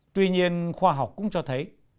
tuy nhiên khoa học cũng cho thấy